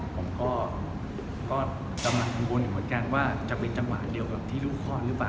ผมก็ก็ตำรับทางบนถึงว่าจะเป็นจังหวะเดียวกับที่รู้ข้อหรือเปล่า